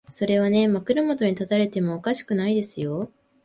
それはね、枕元に立たれてもおかしくないですよ。